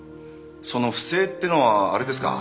その不正ってのはあれですか。